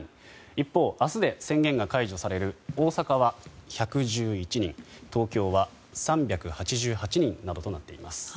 一方、明日で宣言が解除される大阪は１１１人東京は３８８人などとなっています。